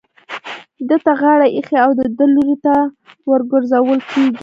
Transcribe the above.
ده ته غاړه ايښې او د ده لوري ته ورگرځول كېږي.